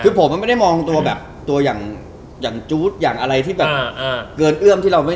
อย่างจู๊ดอย่างอะไรที่แบบเกินเอื้อมที่เราไม่